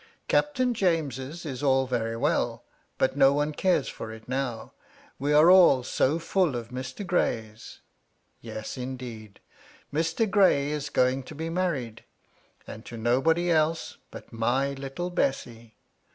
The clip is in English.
Cap ' tain James's is all very well, but no one cares for it ' now, we are all so fiill of Mr. Gray's. Yes, indeed, ' Mr. Gray is going to be married, and to nobody else ' but my little Bessy